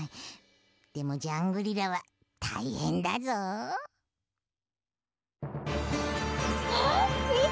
でもジャングリラはたいへんだぞ。あっみて！